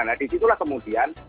nah di situlah kemudian